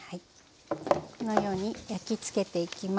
このように焼き付けていきます。